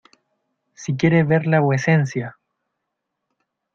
¡ si quiere verla vuecencia!